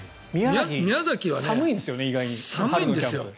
宮崎は寒いんですよ。